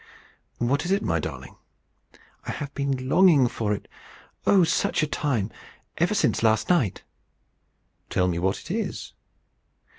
"What is it, my darling?" "I have been longing for it oh, such a time! Ever since last night." "Tell me what it is."